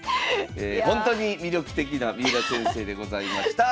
ほんとに魅力的な三浦先生でございました。